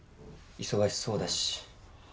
忙しそうだし。